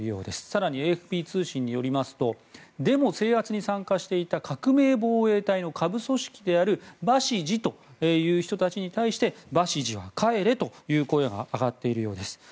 更に、ＡＦＰ通信によりますとデモ制圧に参加していた革命防衛隊の下部組織であるバシジという人たちに対してバシジは帰れという声が上がっているようです。